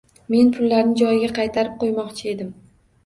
Men pullarni joyiga qaytarib qo‘ymoqchi edim.